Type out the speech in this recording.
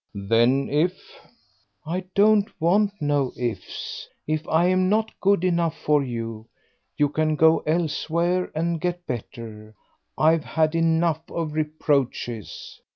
"Then if " "I don't want no ifs. If I am not good enough for you, you can go elsewhere and get better; I've had enough of reproaches."